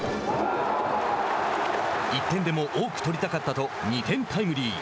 １点でも多く取りたかったと２点タイムリー。